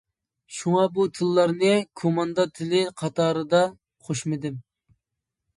شۇڭا بۇ تىللارنى كوماندا تىلى قاتارىدا قوشمىدىم.